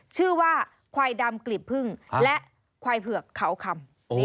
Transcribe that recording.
ชื่อว่าควายดำกลีบพึ่งและควายเผือกเขาคำ